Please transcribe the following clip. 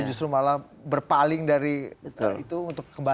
justru malah berpaling dari itu untuk kembali